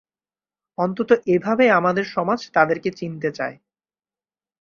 অন্তত এভাবেই আমাদের সমাজ তাদেরকে চিনতে চায়।